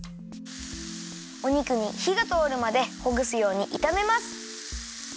お肉にひがとおるまでほぐすようにいためます。